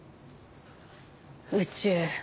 宇宙。